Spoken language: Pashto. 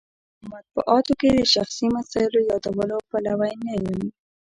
په مطبوعاتو کې د شخصي مسایلو یادولو پلوی نه یم.